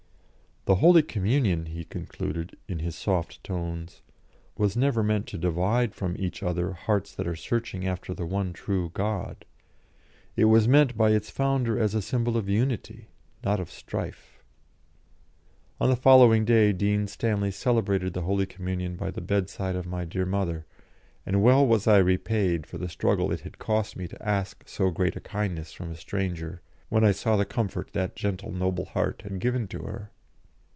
"The Holy Communion," he concluded, in his soft tones, "was never meant to divide from each other hearts that are searching after the one true God. It was meant by its founder as a symbol of unity, not of strife." On the following day Dean Stanley celebrated the Holy Communion by the bedside of my dear mother, and well was I repaid for the struggle it had cost me to ask so great a kindness from a stranger, when I saw the comfort that gentle, noble heart had given to her.